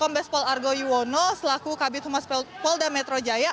kompes polargo iwono selaku kabin humas peltpol dan metro jaya